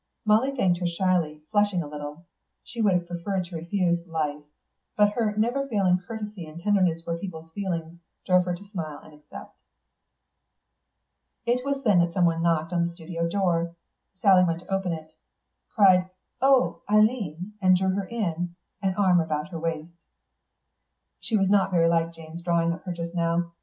" Molly thanked her shyly, flushing a little. She would have preferred to refuse 'Life,' but her never failing courtesy and tenderness for people's feelings drove her to smile and accept. It was then that someone knocked on the studio door. Sally went to open it; cried, "Oh, Eileen," and drew her in, an arm about her waist. She was not very like Jane's drawing of her just now.